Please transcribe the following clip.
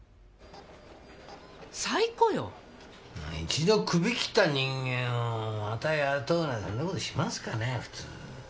一度クビ切った人間をまた雇うなんてそんな事しますかね普通。